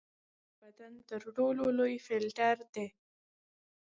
سږي د بدن تر ټولو لوی فلټر دي.